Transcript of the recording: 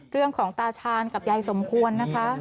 เรื่องของตาชานกับยายสมควรนะคะ